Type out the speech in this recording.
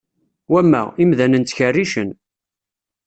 Wamma, imdanen ttkerricen